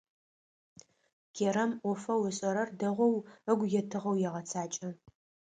Керэм ӏофэу ышӏэрэр дэгъоу ыгу етыгъэу егъэцакӏэ.